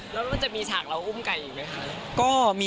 แล้วมันจะมีฉากเราอุ้มไก่อีกไหมคะ